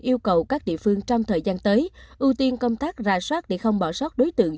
yêu cầu các địa phương trong thời gian tới ưu tiên công tác ra soát để không bỏ sót đối tượng